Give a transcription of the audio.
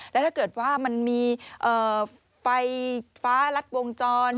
แล้วถ้าเกิดว่ามันมีไฟฟ้ารัดวงจร